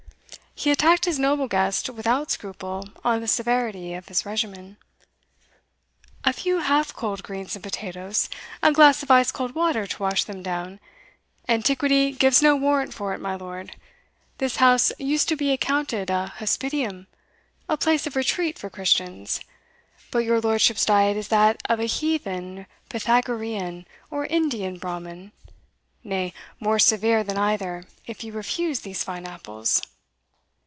He attacked his noble guest without scruple on the severity of his regimen. "A few half cold greens and potatoes a glass of ice cold water to wash them down antiquity gives no warrant for it, my lord. This house used to be accounted a hospitium, a place of retreat for Christians; but your lordship's diet is that of a heathen Pythagorean, or Indian Bramin nay, more severe than either, if you refuse these fine apples."